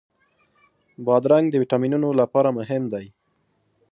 بادرنګ د ویټامینونو لپاره مهم دی.